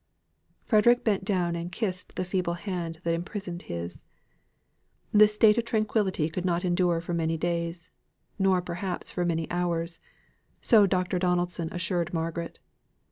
Frederick bent down and kissed the feeble hand that imprisoned his. This state of tranquility could not endure for many days, nor perhaps for many hours; so Dr. Donaldson assured Margaret.